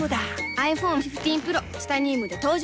ｉＰｈｏｎｅ１５Ｐｒｏ チタニウムで登場